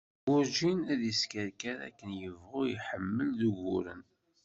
Warǧin ad tt-yeskeṛkeṛ akken yebɣu iḥeml-d d uguren